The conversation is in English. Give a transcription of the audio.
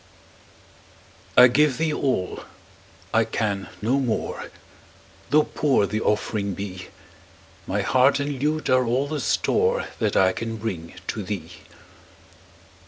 I give thee all I can no more Tho' poor the offering be; My heart and lute are all the store That I can bring to thee.